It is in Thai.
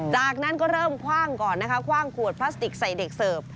จากนั้นก็เริ่มคว่างก่อนนะคะคว่างขวดพลาสติกใส่เด็กเสิร์ฟ